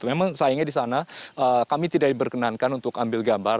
memang sayangnya di sana kami tidak diperkenankan untuk ambil gambar